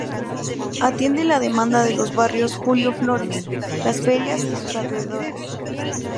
Atiende la demanda de los barrios Julio Flórez, Las Ferias y sus alrededores.